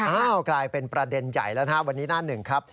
อ้าวกลายเป็นประเด็นใหญ่แล้วนะฮะ